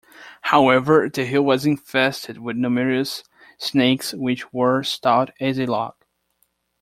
However, the hill was infested with numerous snakes which were "stout as a log".